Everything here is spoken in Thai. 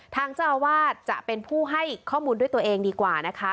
ทางเจ้าอาวาสจะเป็นผู้ให้ข้อมูลด้วยตัวเองดีกว่านะคะ